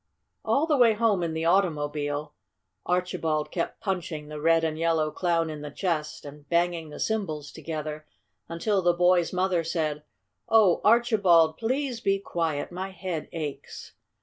All the way home in the automobile Archibald kept punching the red and yellow Clown in the chest and banging the cymbals together until the boy's mother said: "Oh, Archibald, please be quiet! My head aches!"